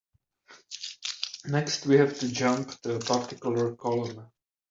Next, we have to jump to a particular column.